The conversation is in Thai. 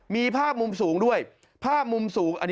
มีภาพมุมสูงด้วยภาพมุมสูง